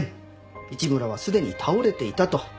市村はすでに倒れていたと。